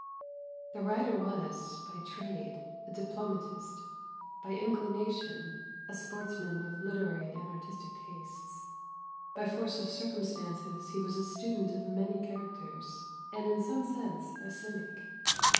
The writer was, by trade, a diplomatist; by inclination, a sportsman with literary and artistic tastes; by force of circumstances he was a student of many characters, and in some sense a cynic.